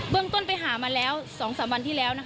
ต้นไปหามาแล้ว๒๓วันที่แล้ว